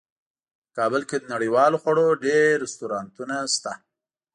په کابل کې د نړیوالو خوړو ډیر رستورانتونه شته